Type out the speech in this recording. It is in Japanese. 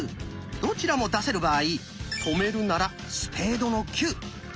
どちらも出せる場合止めるなら「スペードの９」。